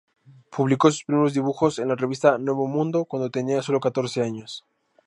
Publicó sus primeros dibujos en la revista "Nuevo Mundo" cuando tenía sólo catorce años.